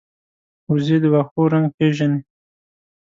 وزې د واښو رنګ پېژني